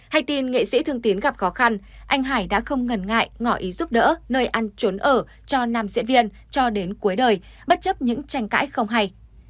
hay tin nghệ sĩ thương tiến gặp khó khăn anh hải đã không ngần ngại ngỏ ý giúp đỡ nơi ăn trốn ở cho nam diễn viên cho đến cuối đời bất chấp những tranh cãi không hay